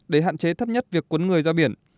để hạn chế thấp nhất việc cuốn người ra biển